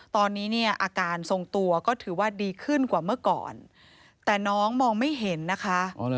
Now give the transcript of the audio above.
ตอนนี้เนี่ยอาการทรงตัวก็ถือว่าดีขึ้นกว่าเมื่อก่อนแต่น้องมองไม่เห็นนะคะ